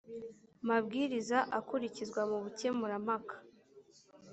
mabwiriza akurikizwa mu bukemurampaka